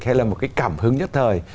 hay là một cái cảm hứng nhất thời